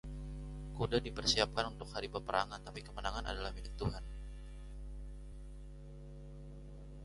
Kuda dipersiapkan untuk hari peperangan, tetapi kemenangan adalah milik Tuhan.